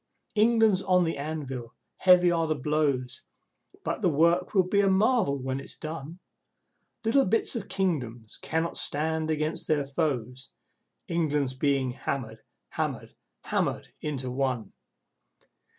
England's on the anvil! Heavy are the blows! (But the work will be a marvel when it's done.) Little bits of Kingdoms cannot stand against their foes. England's being hammered, hammered, hammered into one!